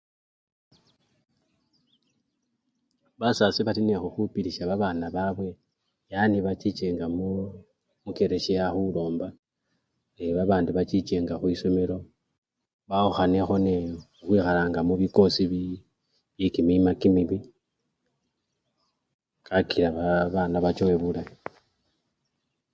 Basasi bali nende khukhupilisya babana babwe yani bachichenga muu! mukelesiya khulomba yee! abundi bachichenga khwisomelo bawukhanekho nende khuchichanga mubikosi byekimima kimibii, kakila babana bachowe bulayi.